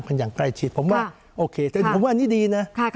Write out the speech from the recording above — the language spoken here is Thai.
อย่างใกล้ชิดผมว่าโอเคแต่ผมว่าอันนี้ดีนะ